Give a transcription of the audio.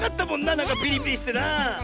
なんかピリピリしてなあ。